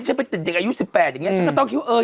เธอนะคะไปเป็นเด็กอายุ๑๘อย่างนี้